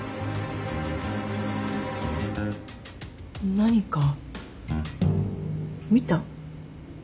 何か見た？